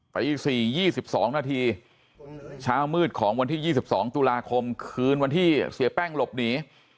ตี๔๒๒นาทีเช้ามืดของวันที่๒๒ตุลาคมคืนวันที่เสียแป้งหลบหนี